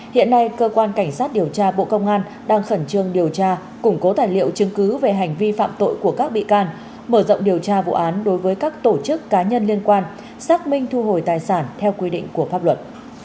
hiện nay cơ quan cảnh sát điều tra bộ công an đang khẩn trương điều tra củng cố tài liệu chứng cứ về hành vi phạm tội của các bị can mở rộng điều tra vụ án đối với các tổ chức cá nhân liên quan xác minh thu hồi tài sản theo quy định của pháp luật